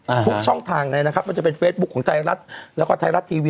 ทุกช่องทางเลยนะครับมันจะเป็นเฟซบุ๊คของไทยรัฐแล้วก็ไทยรัฐทีวี